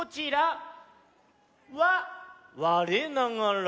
「われながら」。